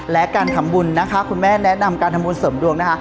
และการทำบุญนะคะคุณแม่แนะนำการทำบุญเสริมดวงนะคะ